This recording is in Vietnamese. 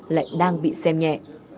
lại đang bị xem nhẹ